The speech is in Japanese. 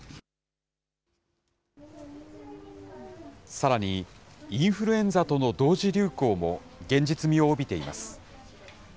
さらに、インフルエンザとの同時流行も現実味を帯びています。